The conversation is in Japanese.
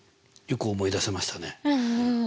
よく思い出せましたね。